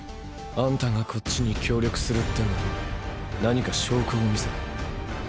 あんたがこっちに協力するってんなら何か証拠を見せろ。